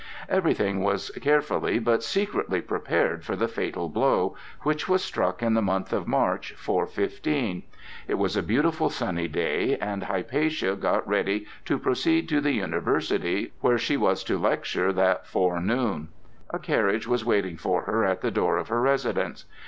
Everything was carefully but secretly prepared for the fatal blow, which was struck in the month of March, 415. It was a beautiful sunny day, and Hypatia got ready to proceed to the University, where she was to lecture that forenoon. A carriage was waiting for her at the door of her residence.